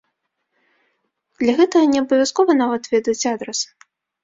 Для гэтага неабавязкова нават ведаць адрас.